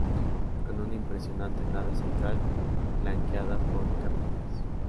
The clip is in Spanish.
Con una impresionante nave central, flanqueada por capillas.